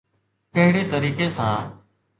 ڪهڙي طريقي سان؟